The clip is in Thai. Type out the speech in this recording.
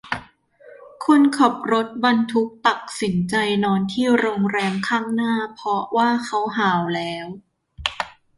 คนขับรถบรรทุกตักสินใจนอนที่โรงแรมข้างหน้าเพราะว่าเขาหาวแล้ว